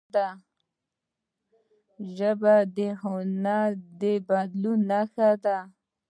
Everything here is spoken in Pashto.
ژبه د ذهن د بدلون نښه ده.